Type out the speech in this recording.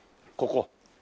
ここ。